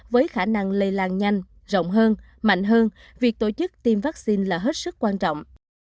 với khả năng lây lan nhanh rộng hơn mạnh hơn việc tổ chức tiêm vaccine là hết sức quan trọng